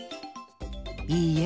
いいえ。